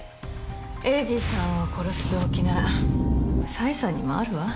栄治さんを殺す動機なら紗英さんにもあるわ。